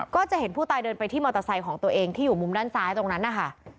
ก็จะเห็นผู้ตายเดินไปที่มอเตอร์ไซค์ของตัวเองที่อยู่มุมด้านซ้ายตรงนั้นนะคะ